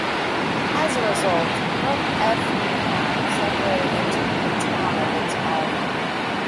As a result, North Effingham separated into a town of its own.